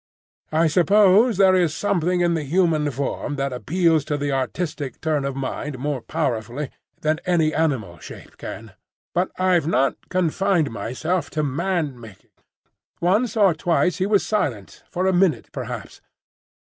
I suppose there is something in the human form that appeals to the artistic turn of mind more powerfully than any animal shape can. But I've not confined myself to man making. Once or twice—" He was silent, for a minute perhaps.